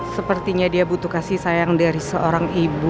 sepertinya dia butuh kasih sayang dari seorang ibu